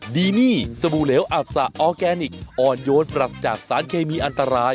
ดีนี่สบู่เหลวอับสะออร์แกนิคอ่อนโยนปรับจากสารเคมีอันตราย